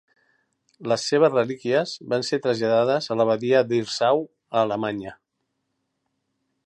Les seves relíquies van ser traslladades a l'abadia de Hirsau a Alemanya.